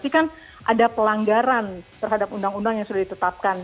tapi kan ada pelanggaran terhadap undang undang yang sudah ditetapkan